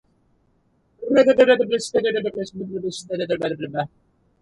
Also, several new units were created and were pressed into the existing structure.